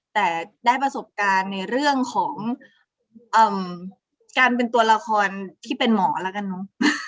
แต่ได้ประสบการณ์ในเรื่องของการเป็นตัวละครที่เป็นหมอแล้วกันเนอะ